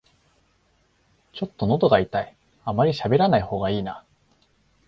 ちょっとのどが痛い、あまりしゃべらない方がいいな